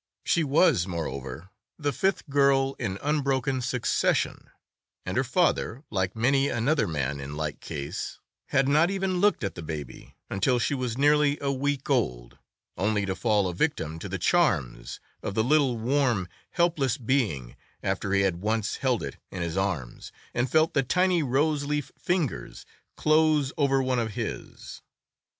She was, moreover, the fifth girl in unbroken succession, and her father, like many another man in like case, had not even looked at the baby until she was nearly a week old, only to fall a victim to the charms of the little warm, helpless being after he had once held it in his arms and felt the tiny rose leaf fingers close over one of his.